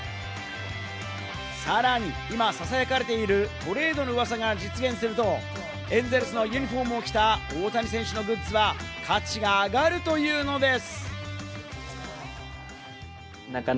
さらに、今ささやかれているトレードの噂が実現すると、エンゼルスのユニホームを着た大谷選手のグッズは価値が上がるというのです。